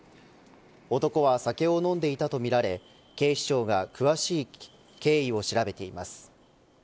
男は酒を飲んでいたとみられ警視庁が詳しい経緯を調べています。